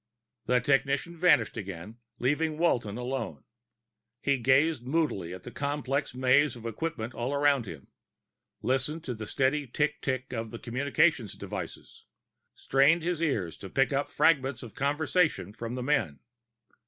The technician vanished again, leaving Walton alone. He gazed moodily at the complex maze of equipment all around him, listened to the steady tick tick of the communication devices, strained his ears to pick up fragments of conversation from the men.